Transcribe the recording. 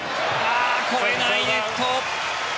越えないネット。